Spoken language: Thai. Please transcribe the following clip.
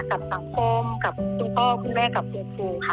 กับสังคมกับคุณพ่อคุณแม่กับคุณครูค่ะ